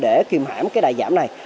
để kiềm hãm cái đài giảm này